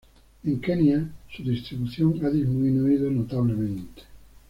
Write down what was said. En Kenia du distribución ha disminuido notablemente.